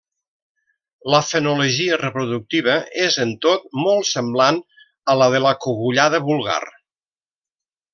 La fenologia reproductiva és, en tot, molt semblant a la de la cogullada vulgar.